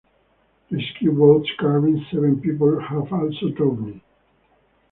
Rescue boats carrying seven people have also drowned.